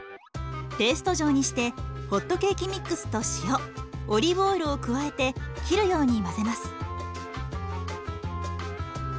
ペースト状にしてホットケーキミックスと塩オリーブオイルを加えて切るように混ぜます。